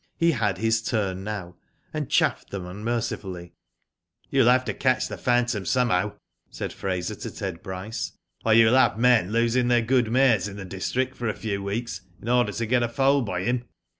He had his turn now, and chaffed them unmercifully. ''You will have to catch the phantom somehow/' said Fraser to Ted Bryce, "or you will have men losing their good mares in the district for a few weeks, in order to get a foal by him."